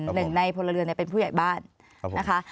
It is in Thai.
หนึ่งในพลเรือนเป็นผู้ใหญ่บ้านนะคะ